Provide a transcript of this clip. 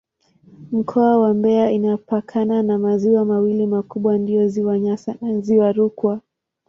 Mkoa wa Mbeya inapakana na maziwa mawili makubwa ndiyo Ziwa Nyasa na Ziwa Rukwa.